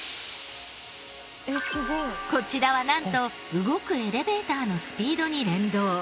こちらはなんと動くエレベーターのスピードに連動。